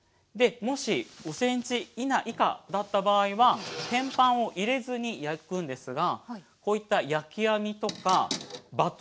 もし５ｃｍ以下だった場合は天板を入れずに焼くんですがこういった焼き網とかバットですね。